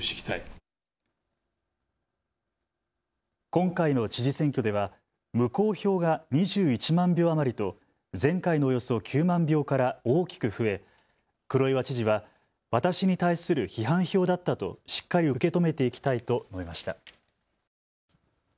今回の知事選挙では無効票が２１万票余りと前回のおよそ９万票から大きく増え黒岩知事は私に対する批判票だったとしっかり受け止めていきたいと述べました。